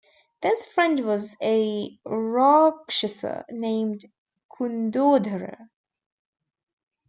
This friend was a Rakshasa named Kundodhara.